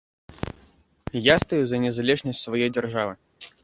Я стаю за незалежнасць сваёй дзяржавы.